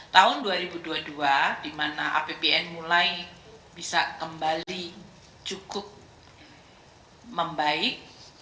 tahun dua ribu dua puluh dua di mana apbn mulai bisa kembali cukup membaik